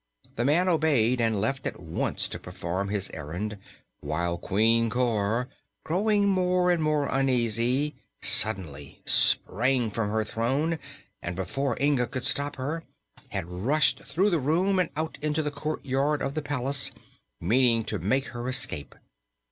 The man obeyed and left at once to perform his errand, while Queen Cor, growing more and more uneasy, suddenly sprang from her throne and before Inga could stop her had rushed through the room and out into the courtyard of the palace, meaning to make her escape.